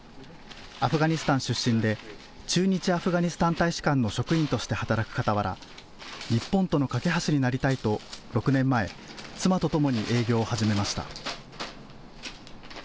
アフガニスタン出身で駐日アフガニスタン大使館の職員として働くかたわら日本との懸け橋になりたいと６年前、妻とともに営業を始めました。